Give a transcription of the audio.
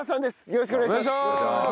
よろしくお願いします。